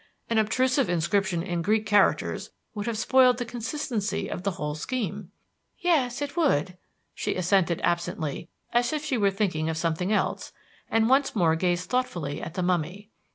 An obtrusive inscription in Greek characters would have spoiled the consistency of the whole scheme." "Yes, it would." She assented absently as if she were thinking of something else, and once more gazed thoughtfully at the mummy.